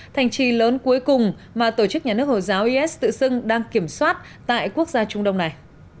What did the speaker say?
thành trì lớn cuối cùng mà tổ chức nhà nước hồi giáo is tự xưng đang kiểm soát tại quốc gia trung đông này